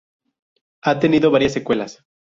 Ha tenido varias secuelas.